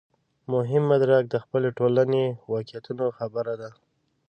مهم مدرک د خپلې ټولنې واقعیتونو خبره ده.